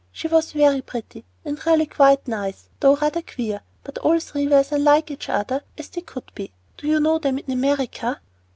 She was very pretty and really quite nice, though rather queer, but all three were as unlike each other as they could be. Do you know them in America?"